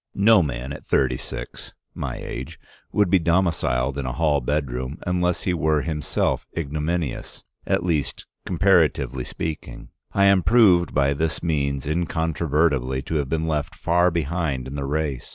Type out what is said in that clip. No man at thirty six (my age) would be domiciled in a hall bedroom, unless he were himself ignominious, at least comparatively speaking. I am proved by this means incontrovertibly to have been left far behind in the race.